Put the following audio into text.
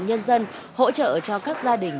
nhân dân hỗ trợ cho các gia đình